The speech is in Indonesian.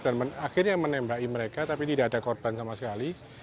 dan akhirnya menembaki mereka tapi tidak ada korban sama sekali